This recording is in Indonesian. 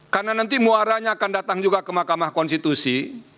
karena nanti muaranya akan datang juga ke mahkamah konstitusi